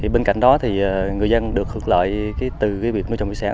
bên cạnh đó người dân được hợp lợi từ việc nuôi trồng thủy sản